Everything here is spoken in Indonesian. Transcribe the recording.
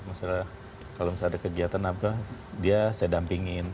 misalnya kalau misalnya ada kegiatan apa dia saya dampingin